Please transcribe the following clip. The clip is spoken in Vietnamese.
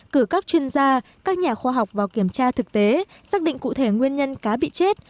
cử các chuyên gia các nhà khoa học vào kiểm tra thực tế xác định cụ thể nguyên nhân cá bị chết